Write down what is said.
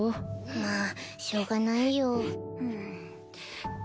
まあしょうがないよ。ん？